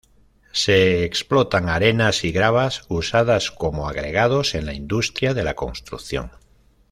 Se explotan arenas y gravas usadas como agregados en la industria de la construcción.